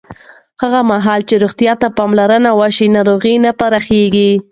هغه مهال چې روغتیا ته پاملرنه وشي، ناروغۍ نه پراخېږي.